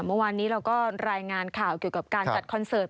เมื่อวานนี้เราก็รายงานข่าวเกี่ยวกับการจัดคอนเสิร์ต